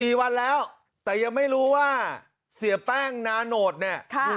กี่วันแล้วแต่ยังไม่รู้ว่าเสียแป้งนาโนตเนี่ย